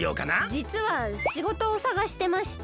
じつはしごとをさがしてまして。